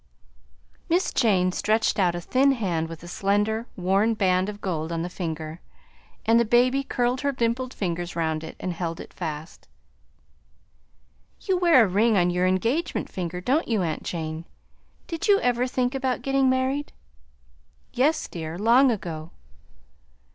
Miss Jane stretched out a thin hand with a slender, worn band of gold on the finger, and the baby curled her dimpled fingers round it and held it fast. "You wear a ring on your engagement finger, don't you, aunt Jane? Did you ever think about getting married?" "Yes, dear, long ago."